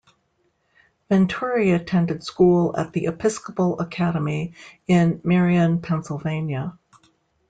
Venturi attended school at the Episcopal Academy in Merion, Pennsylvania.